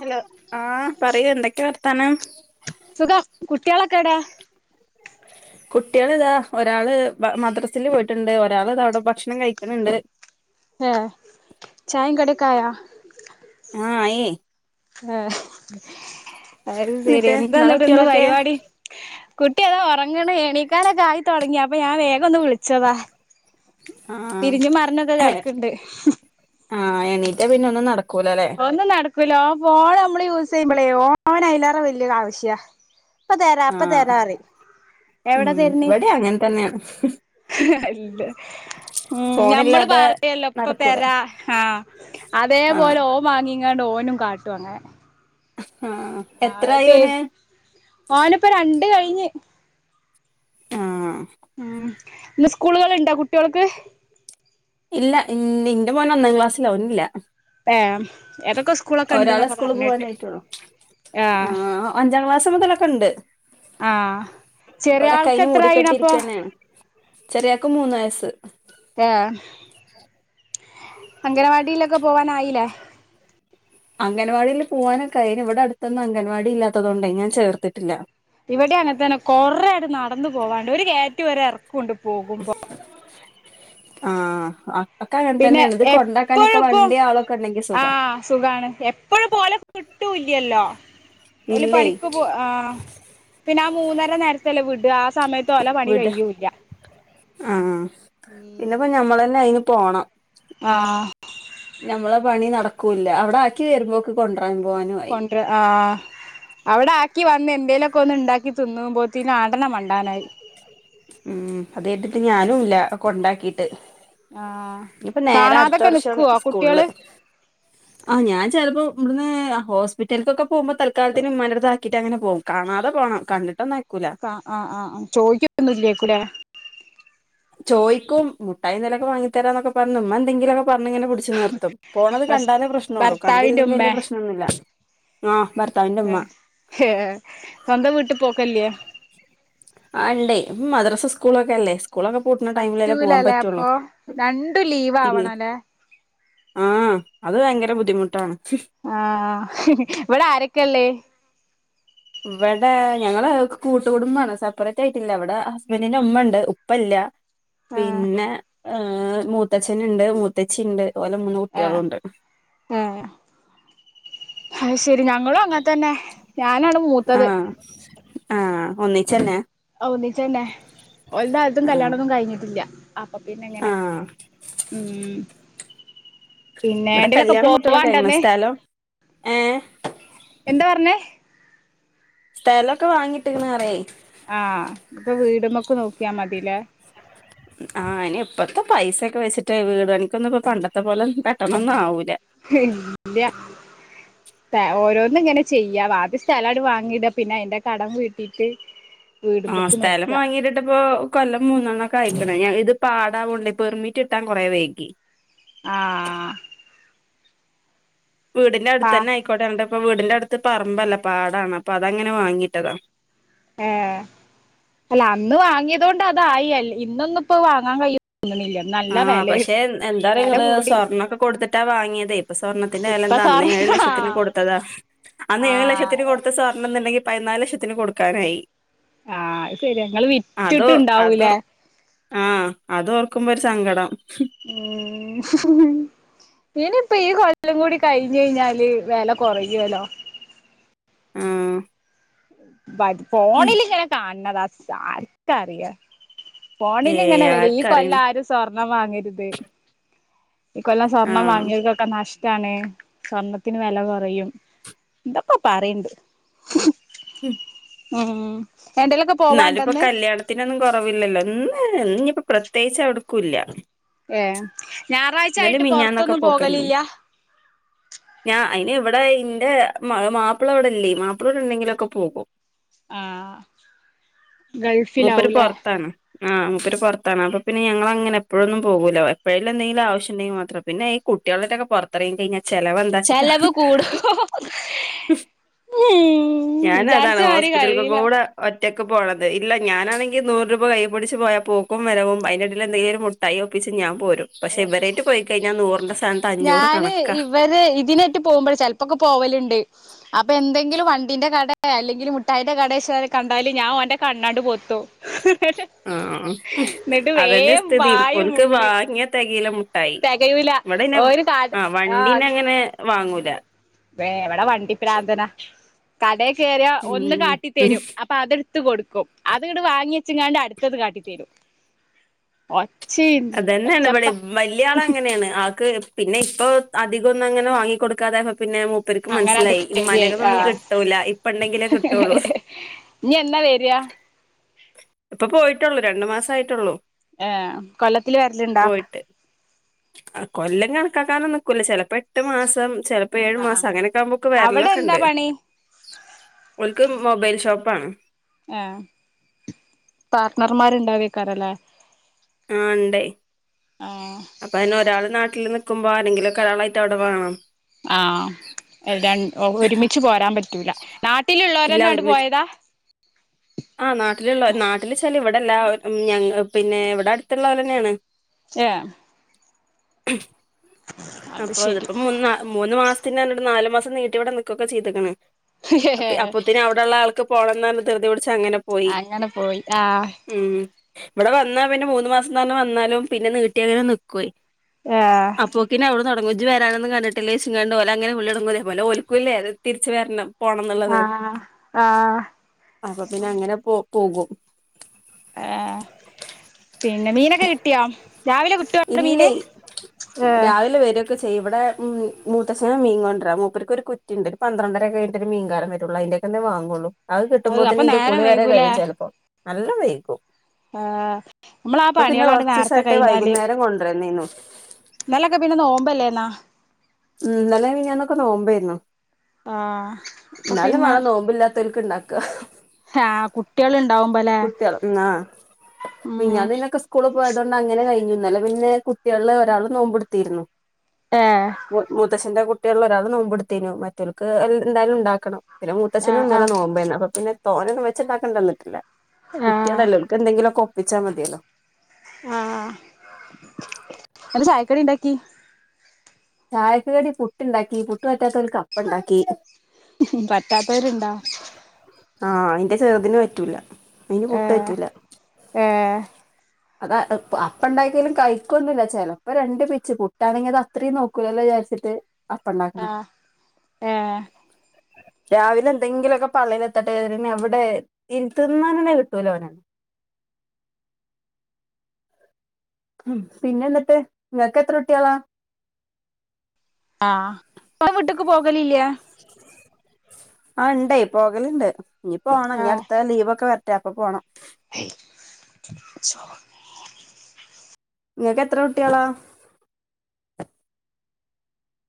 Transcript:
Hello ആഹ് പറയൂ എന്തൊക്കെ വർത്താനം? സുഖം കുട്ട്യാളെക്കേടെ? കുട്ട്യാള്താ ഒരാള് മദ്രാസില് പോയിട്ടുണ്ട് ഒരാള്താ അവ്ടെ ഭക്ഷണം കഴിക്ക്ണ് ണ്ട്. ഏഹ് ചായിം കടിയൊക്കായോ? ആഹ് ആയേ ആഹ് അഹ് സെരി എന്നിട്ട് നിങ്ങളെ എന്താന്നിട്ട്ന്ന് കുട്ടികളൊക്കെ പരിപാടി? കുട്ടി അതാ ഒറങ്ണ് എണീക്കാനൊക്കെ ആയി തൊടങ്ങി അപ്പൊ ഞാന് വേഗൊന്ന് വിളിച്ചതാ. തിരിഞ്ഞും ആഹ് മറഞ്ഞൊക്കെ കെടക്ക്ണ്ട്. ആഹ് എണീറ്റ പിന്നൊന്നും നടക്കൂലലേ? ഒന്നും നടക്കൂല ഓം ഫോൺ നമ്മള് യൂസെയ്യുമ്പളേ ഓനയിലേറെ വെല്യേ ആവശ്യ. ഇപ്പ തരാ ഇപ്പ ആഹ് തരാറിം എവടെ ഉം തര്ണ്. ഇവിടെ അങ്ങനെ തന്നെയാണ് ഇല്ല. ഉം ഞമ്മള് ഫോണില്ലാതെ പറയല്ലോ ഇപ്പ നടക്കൂല തെരാ ആഹ് ആഹ് അതേപോലെ ഓ മാങ്ങിങ്ങാണ്ട് ഓനും കാട്ടും അങ്ങനെ. ആഹ് ആഹ് എത്രായി തെരു ഓന് ഓന്പ്പൊ രണ്ട് കഴിഞ്ഞ്. ആഹ്. ഉം ഇന്ന് സ്കൂളുകള്ണ്ടോ കുട്ട്യാൾക്ക്? ഇല്ല ഇൻ ഇന്റെ മോന് ഒന്നാം ക്ലാസ്സിലാ ഓനിന്നില്ല. ഏ ഏതൊക്കെ സ്കൂളൊക്കെ ഒരാളെ ഉണ്ട്ന്നൊക്കെ സ്കൂള് പറഞ്ഞിട്ട് പോവാനായിറ്റൊള്ളൂ ആഹ്. അഞ്ചാം ക്ലാസ് മുതലൊക്കെണ്ട്. ആഹ് ചെറിയ ആൾക്ക് ഇബടൊക്കയിന് എത്ര മൂടിക്കെട്ടി ആയിണപ്പൊ ഇരിക്കന്നേണ്. ചെറിയാക്ക് മൂന്ന് വയസ്സ്. ആഹ്. [inaudible] അംഗനവാടിയിലൊക്കെ പോവാനായിലേ? അംഗൻവാടില് പോവാനൊക്കായി അയിന് ഇവടെ അടുത്തൊന്നും അംഗൻവാടി ഇല്ലാത്തതോണ്ടേ ഞാൻ ചേർത്തിട്ടില്ല. ഇവിടിം അങ്ങനെത്തന്നെ കൊറേയാട്ട് നടന്ന് പോവാണ്ട് ഒര് കേറ്റോം ഒരെറക്കോണ്ട് പോകുമ്പോ. ആഹ് അ പിന്നെ എപ്പഴുപ്പോ ആളൊക്കെ ഉണ്ടെങ്കി സുഖാ ആഹ് സുഖാണ് എപ്പഴുംപ്പൊ ഓലെ കിട്ടൂല്ല്യല്ലോ? ഓല് ഇല്ലേ പണിക്ക് പോ ആഹ്. പിന്നെ ആ മൂന്നര നേരത്തെല്ലേ വിടാ ആഹ് സമയത്ത് ഓലെ പണി വിട കയൂല്ല. ആഹ് പിന്നെപ്പോ ഞമ്മളന്നെ അയിന് പോണം. ആഹ്. ഞമ്മളെ പണി നടക്കൂല്ല അവടാക്കി വരുമ്പോക്ക് കൊണ്ടരാൻ പോവാനുവായി. കൊണ്ട്ര ആഹ്. അവടാക്കി വന്ന് എന്തേലൊക്കൊന്ന് ഇണ്ടാക്കി തിന്നുമ്പോത്തിന് ആട്ടന്നെ മണ്ടാനായി. ഉം അത് കര്തിട്ട് ഞാനുല്ല കൊണ്ടാക്കിട്ട്. ആഹ് ഇനിയിപ്പോ നേരെ അടുത്ത കാണാതൊക്കെ വർഷം നിക്കുവോ സ്കൂളില് കുട്ട്യാള്? ആഹ് ഞൻ ചെലപ്പോ ഇവടുന്ന് ആ ഹോസ്പിറ്റൽക്കൊക്കെ പോവുമ്പോ തൽക്കാലത്തിന് ഇമ്മാന്റെട്ത്താക്കീട്ടങ്ങനെ പോവും. കാണാതെ പോണം കണ്ടിട്ടൊന്നും അയക്കൂല. ആഹ് ആഹ് ആഹ് ആഹ് ചോയിക്കൊന്നും ഇല്ലേക്കുലേ? ചോയ്ക്കും മുട്ടായെന്തോലൊക്കെ വാങ്ങിത്തരാന്നൊക്കെ പറഞ് ഇമ്മന്തെങ്കിലൊക്കെ പ ർഞ്ഞിങ്ങനെ പിടിച്ചു നിർത്തും പോണത് ഹസ് കണ്ടാലേ പ്രശ്ണൊള്ളൂ ഭർത്താവിന്റെ കണ്ടില്ലെങ്കി വല്യേ ഉമ്മേ പ്രശ്നൊന്നുല്ല. ആഹ് ഭർ ഏഹ് ഏഹ് സ്വന്തം വീട്ടി പോക്കല്ല്യെ? അല്ലേ മദ്രസ സ്കൂളൊക്കെ അല്ലേ? സ്കൂളൊക്കെ പൂട്ടുന്ന ടൈമിലല്ലേ പോവാൻ പറ്റൂലല്ലേ പറ്റുള്ളൂ അപ്പൊ രണ്ടും ലീവ് ഇല്ല. ആവണല്ലേ ആഹ് അത് ഭയങ്കര ബുദ്ധിമുട്ടാണ്. ആഹ് ഇവിടെ ആരൊക്കെയുള്ളേ? ഇവിടെ ഞങ്ങള് കൂട്ട് കുടുംമ്പാണ് സപ്പറേറ്റ് ആയിട്ടില്ല ഇവിടെ ഹസ്ബൻഡിന്റെ ഉമ്മ ഉണ്ട് ഉപ്പഇല്ല. ആഹ് പിന്നെ ഏഹ് മൂത്തച്ഛനുണ്ട് മൂത്തച്ചി ഇണ്ട് ഓരുടെ മൂന്ന് കുട്ടികളുണ്ട്. ഏഹ് അത് ശെരി ഞങ്ങളും അങ്ങനെ തന്നെ ഞാനാണ് മൂത്തത്- ആഹ് ആഹ് ഒന്നിച്ചന്നെ. ആഹ് ഒന്നിച്ചന്നെ ഓരുടെ ആരുടെയും ആഹ് കല്യാണോന്നും കഴിഞ്ഞിട്ടില്ല അപ്പൊ പിന്നെ ഇങ്ങനെ- ആഹ് ഉം... പിന്നെ ഇവിടെ ഏണ്ടേലൊക്കെ കല്യാണം കുട്ടികളൊക്കെ കഴിഞ്ഞു പോവാണ്ടന്ന് സ്ഥലം ഏഹ്- എന്താ പറഞ്ഞേ? സ്ഥലോക്ക വാങ്ങിട്ട്ക്ക്ണുപറയേ - ആഹ് അപ്പോ വീടുമ്മേക്ക് നോക്കിയാ മതിലെ- ആഹ് അയിന് ഇപ്പോത്തെ പൈസൊക്കെ വെച്ചിട്ട് വീട് പണിക്കൊന്നും ഇപ്പോ പണ്ടത്തെ പോലെ പെട്ടന്നൊന്നും ആവൂല്ല. ഏഹ് ഇല്ല. ഓരോന്നും ഇങ്ങനെ ചെയ്യാ ആദ്യ സ്ഥലമായി വാങ്ങീട്ട് പിന്നെ അതിന്റെ കടം വീട്ടീട്ട്- [unintelligible] ആഹ് സ്ഥലം വാങ്ങിയിട്ട്- ഇപ്പോ കൊല്ലം മൂന്നണ്ണോക്കാ യിക്കണ് ഇത് പാടാവോണ്ടെ പെർമിറ്റ് കിട്ടാൻ കൊറേ വൈകി. ആഹ് ആഹ് വീടിന്റെ അടുത്ത് പാ തന്നെ ആയിക്കോട്ടെ എന്താ ഇപ്പോ വീടിന്റെ അടുത്തന്നെ ആയിക്കോട്ടെ ന്നി ട്ടിപ്പൊ വീടിന്റെടുത്തപ്പം പറമ്പല്ല പാടാണ് അപ്പോ അത് അങ്ങനെ വാങ്ങീട്ടതാ- ആഹ്. അല്ല അന്ന് വാങ്ങിയതുകൊണ്ട് അതായി അ ഇന്നൊന്നും ഇപ്പോ വാങ്ങാൻ കഴിയില്ല തോന്നുന്നില്ല. ആഹ് പക്ഷേ എന്താറിയ ഇങ്ങള് സ്വർണ്ണൊക്കെ കൊടുത്തിട്ടാ വാങ്ങിയതേ- ഇപ്പൊ സ്വർണത്തിന്റെ വെല ഇപ്പ എന്താ അന്ന് സാറ് ഏഴ് ലക്ഷത്തിന് ആഹ് കൊടുത്തതാ അന്ന് ഏഴ് ലക്ഷത്തിന് ആഹ് കൊടുത്ത സ്വർണ്ണം ഇന്നുണ്ടെങ്കി പതിനാല് ലക്ഷത്തിന് കൊടുക്കാനായി. ആഹ് അത് ശെരിയാ ഇങ്ങള് വിറ്റിട്ട് അതോ അതോർ ഇണ്ടാവൂല്ലേ? ആഹ് അത് ഓർക്കുമ്പോ ഒരു സങ്കടം. ഉം. ഇനി ഇപ്പോ ഈ കൊല്ലം കൂടി കഴിഞ്ഞഴിഞ്ഞാല് വെല കൊറയോ ല്ലോ. ആഹ്. ഫോണിൽ ഇങ്ങനെ കാണുന്നതാ ആർക്ക് അറിയാം. ഏ ഫോണില് ഇങ്ങനെ വരും ഈ ആർക്കറിയണ് കൊല്ലം ആരും- സ്വർണ്ണം വാങ്ങരുത് ഇക്കൊല്ലം സ്വർണം ആഹ് വാങ്ങിയവർക്കൊക്കെ നഷ്ടാണ്. സ്വർണത്തിന് വെല കൊറയും എന്താപ്പ പറയണ്ട്. ഉം. ഉം എന്തെങ്കി എന്നാലും ഇപ്പൊ കല്യാണത്തിനൊന്നും കൊ റവില്ലല്ലോ ഇന്നായാലും ഇന്നിപ്പൊ പ്രത്യേകിച്ച് എവിടെക്കുമില്ല. ഏഹ് ഞായറാഴ്ച ആയിട്ട് പൊ മിനിഞ്ഞാന്നൊക്കെ റത്തൊന്നും പോക്കന്നെ പോവലില്ല. ഞാൻ അയിന് ഇവിടെ ഇന്റെ മാപ്പിള ഇവിടെല്ലേ മാപ്പിള ഇവിടെ ഉണ്ടെങ്കിലൊക്കെ പോകും. ആഹ് മൂപ്പര് ഗൾഫിലാവൂല്ലേ? പൊറത്താണ് ആഹ് മുപ്പര് പൊറത്താണ് അപ്പൊ പിന്നെ ഞങ്ങളങ്ങനെ എപ്പൊ ഴൊന്നും പോകൂല എപ്പൊഴെങ്കിലുംഎന്തെങ്കിലും ആവി ശ്യമുണ്ടെങ്കിൽ മാത്രം പിന്നെ ഈ കുട്ടികളായിട്ടൊക്കെ പൊ റത്തിറങ്ങി കഴിഞ്ഞാ- ചെലവെന്താച്ചിട്ടാ ചെലവ് കൂടും ഞാന് അതാണ് വിചാരിച്ച മാതിരി ഹോസ്പിറ്റലക്കൊക്കെ കഴിയില്ല കൂടെ- ഒറ്റയ്ക്ക് പോണത് ഇല്ല ഞാനാണെങ്കിൽ നൂറ് രൂപ കൈപിടിച്ച് പോയാ പോകും വരവും അതിനിടയിൽ എന്തെങ്കിലും- മുട്ടായി ഒപ്പിച്ച് ഞാൻ പോരും പക്ഷെ ഇവരേട്ട് പോയി കഴിഞ്ഞാൽ നൂറിന്റെ സഥാനത്ത് അഞ്ഞൂറ് കണക്കാ- അതായത് ഇതിനായിട്ട് പോകുമ്പോഴ് ചെൽപ്പോക്കെ പോവലുണ്ട്. അപ്പോ എന്തെങ്കിലും വണ്ടിന്റെ കട അല്ലെങ്കിൽ മുഠായിന്റെ കട കണ്ടാല് ഞാൻ ഓന്റെ കണ്ണണ്ട് പൊത്തും. ആഹ് ആഹ് എന്നിട്ട് അതന്നെ വേം സ്ഥിതി പായും ഓൽക്ക് മുന്ന് വാങ്ങിയ തെകില മുട്ടായി തികയൂല ഇവിടെന്നെ ഒരു കാട് ആ വണ്ടീന്നങ്ങനെ വാങ്ങൂല ഏഹ് ഇവിടെ വണ്ടി പ്രാന്തന കടേകേറിയ ഒന്ന് ഉം കാട്ടിത്തരും അ പ്പ അതെട്ത്ത് കൊടുക്കും അത്ട് വാങ്ങി ചെങ്ങാണ്ട് അട്ത്തത് കാട്ടിത്തരും ഒച്ചി അതന്നെണ് ഇവിടെ വലിയ ആളഅങ്ങനെയാണ് ആൾക്ക് പിന്നെ ഇപ്പൊ അധികൊന്നും അങ്ങനെ വാങ്ങി കൊടുക്കാതതായപ്പം പിന്നെ പ്പർക്ക് അങ്ങനണ്ട് മനസ്സിലായി ശരിയായി ഇമ്മാന്റെകന്നൊന്നും ആഹ് കിട്ടൂല്ല ഇപ്പണ്ടെങ്കിലേ കിട്ടുള്ളൂ ഇഞ് എന്നാ വെരാ ഇപ്പ പോയിട്ടുള്ളൂ രണ്ടു മാസം ആയിട്ടുള്ളൂ ഏഹ് കൊല്ലത്തിലാ പോയിട്ട് കൊല്ലം കണക്കാക്കാനും നിക്കൂല ചെലപ്പോ എട്ട് മാസം ചെല പ്പ ഏഴു ആഹ് ആഹ് മാസം അങ്ങനെയൊക്കെ ആവുമ്പോക്കെ അവിടെ എന്താ വേരലൊക്കെണ്ട് പണി ഓൽക് മൊബൈൽ ഷോപ്പ ആണ് ഏഹ് പാർട്ടണർമാരുണ്ടാവേക്കാരലെ ആഹ് ഇണ്ട് ആഹ് അപ്പൊ അയ്ന് ഒരാള് നാട്ടില് നിൽക്കുമ്പോ ആരെങ്കിലൊക്കെ ഒരാളായിട്ട് അവിടെ വേണം ആഹ് ര ഒരുമിച്ച് പോരാൻ പറ്റൂല നാട്ടിലുള്ളോരന്നാണ്ട് പോയതാ ആഹ് നാട്ടിലുള്ള നാട്ടില്ചാല് ഇവിടെല്ല ഞ പിന്നെ ഇവിടെ അടുത്തുള്ളെലെന്നെയാണ് ഏഹ് അത് അപ്പ ശരി ഇതിപ്പോ മൂന്ന മൂന്ന് മാ സ്തിന് പർഞ്ഞാണ്ട് നാല് മാസം നീട്ടിവിടെ നിക്കെക്കെ ചെയ്ത്ക്ണ് അപ്പൊത്തി അവിടെള്ള ആൾക്ക് പോണന്നർഞ്ഞു ദിർതി പിടിച്ചങ്ങനെ അങ്ങനെ പോയി ആഹ് ഉം ഇവിടെ വന്നാ പിന്നെ മൂന്ന് മാസന്നർഞ് വന്നാലും പിന്നെ നീട്ടിയങ്ങനെ നിക്കു ആഹ് അപ്പോക്കിന്ന് അവിടെന്ന് തൊടങ്ങും ഇജ് വരാനൊന്നും കണ്ടിട്ടില്ലേയ്ച്ച്ങ്ങാണ്ട് ഓലങ്ങനെ വിളിടങ്ങും പോലെ ഓൽകുല്ലേ ത്തിരിച്ചവരണം പോണംന്നുള്ളത് ആഹ് ആഹ് അപ്പൊ പിന്നെ അങ്ങനെ പോ പോകും ഏഹ് പിന്നെ മീനൊക്കെ കിട്ടിയോ രാവിലെ കിട്ടുടെ മീന് ആഹ് ക്കെ ചെയ്യും ഇവിടെ മൂത്തച്ചന് മീൻ കൊണ്ടരാ മൂപ്പർക്ക് ഒരു കുറ്റിണ്ട് പന്ത്രണ്ടര കഴിഞ്ഞട്ട് മീൻകാരം വരുള്ളൂ അതിന്റെ കെന്നെ വാങ്ങുള്ളു അത് അപ്പൊ കിട്ടുമ്പോത്തന് ഇന്റെ നേരം കുളി വരെ വൈകൂലേ കഴിയ ചിലപ്പോ നല്ല വൈക്കും ആഹ് നമ്മളാ പണികളാണ്ട് നേരത്തെ കഴിഞ്ഞാല് കൊണ്ടരന്നീനു ഇന്നലൊക്കെ പിന്നെ നോമ്പല്ലേന്നാ ഉം ഇന്നലെ മിഞാന്നൊക്കെ നോമ്പായിരുന്നു. ആഹ് അപ്പൊ ഇന്നാലും പിന്നെ മാണം നോമ്പില്ലാത്തോര്ക്ക് ഇണ്ടാക്ക ക ആഹ് കുട്ടികൾ ഇണ്ടാവുമ്പോ അല്ലേ കുട്ടികള് ഉം സ്കൂളിൽ പോയതോണ്ട് അങ്ങനെ കഴിഞ്ഞു ഇന്നലെ പിന്നെ കുട്ടികള് ഒരാള് നോമ്പെടുത്തിരുന്നു ഏ മു മൂത്തച്ന്റെ കുട്ടികളിൽ ഒരാള് നോമ്പെടുത്തേനു മറ്റോൽക്ക് എന്തായാലും ഉണ്ടാക്കണം പിന്നെ മൂത്തച്ഛനും ആഹ് ഇന്നലെ ആഹ് നോമ്പോന്ന് അപ്പ പിന്നെ തോരൻ വെച്ചിണ്ടാക്കണ്ട വന്നിട്ടില്ല ആഹ് കുട്ടികല്ലേ ഓൽക്ക് എന്തെങ്കിലൊക്കെ ഒപ്പിച്ചാൽ മതിയല്ലോ ആഹ് എന്ത് ചായക്ക് കടി ഉണ്ടാക്കി ചായക്ക് കടി പുട്ടുണ്ടാക്കി പുട്ട് പറ്റാത്തോൽക്ക് അപ്പം ഉണ്ടാക്കി ഉ പറ്റാത്തവരുണ്ടാ ആഹ് എന്റെ ചെറുതിന് പറ്റൂല അയിന് പുട്ട് ആഹ് പറ്റൂല ആഹ് അത് അപ്പം ഉണ്ടാക്കിയാലും കഴിക്കുവൊന്നുവില്ല ചിലപ്പോ രണ്ട് പിച്ച് പുട്ടാണെങ്കിൽ അത് അത്രയും നോക്കൂലല്ലോ വിചാരിച്ചിട്ട് അപ്പണ്ടാക്കണേ ആഹ് ഏഹ് രാവിലെ എന്തെങ്കിലുമൊക്കെ പള്ളയിലെത്തട്ടെ ഇരുന്ന് അവിടെ ഇരുത്തി തിന്നാൻ കിട്ടൂല അവന് ഉം പിന്നെ എന്നിട്ട് നിങ്ങക്ക് എത്ര കുട്ടികളാ ആഹ് ഇങ്ങടെ വീട്ടുക്ക് പോകലില്ല്യാ ആഹ് ഉണ്ടേ പോകലുണ്ട് ഇനി പോണം ഇനി അടുത്ത ലീവൊക്കെ വരട്ടെ അപ്പൊ പോണം [unintelligible] നിങ്ങൾക്ക് എത്ര കുട്ടികളാ